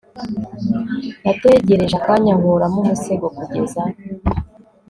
nategereje akanya nkuramo umusego kugeza